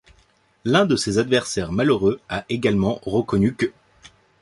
L'un de ses adversaires malheureux a également reconnu qu'.